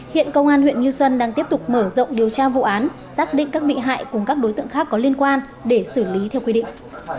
hiện công an huyện như xuân đang tiếp tục mở rộng điều tra vụ án xác định các bị hại cùng các đối tượng khác có liên quan để xử lý theo quy định